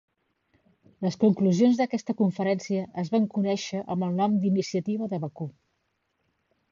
Les conclusions d'aquesta conferència es van conèixer amb el nom d'Iniciativa de Bakú.